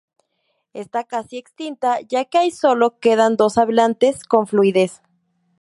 Está casi extinta, ya que hay sólo quedan dos hablantes con fluidez.